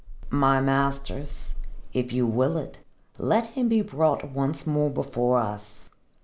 "My masters, if you will it, let him be brought once more before us.